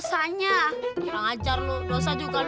iya iya benar benar